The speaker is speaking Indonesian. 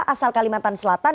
asal kalimantan selatan